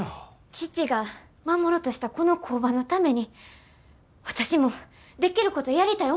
父が守ろうとしたこの工場のために私もできることやりたい思たんです。